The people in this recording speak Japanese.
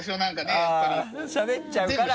あっしゃべっちゃうから。